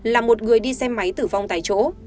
là một người đi xe máy tử vong tại chỗ